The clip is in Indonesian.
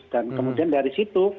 dan kemudian dari situ